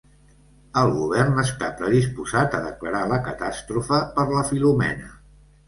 El govern està predisposat a declarar la catàstrofe per la Filomena.